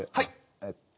えっと。